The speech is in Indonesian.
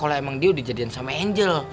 kalau emang dia udah jadian sama angel